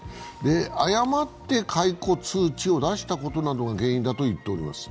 誤って解雇通知を出したことなどが原因だとしています。